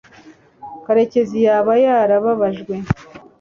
karekezi yaba yarababajwe